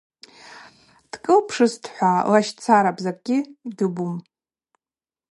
Дкӏылпшызтӏхӏва – лащцарапӏ, закӏгьи гьибум.